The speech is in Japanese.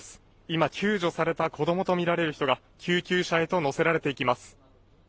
今救助された子供とみられる人が救急車へとのせられていきます。